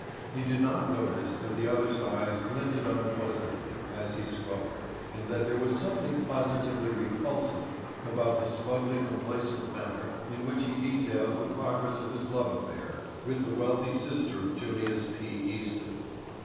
He did not notice that the other's eyes glinted unpleasantly as he spoke and that there was something positively repulsive about the smugly complacent manner in which he detailed the progress of his love affair with the wealthy sister of Junius P. Easton.